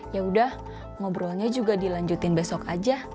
yaudah ngobrolnya juga dilanjutin besok aja